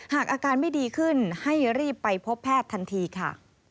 หากอาการไม่ดีขึ้นให้รีบไปพบแพทย์ทันทีค่ะ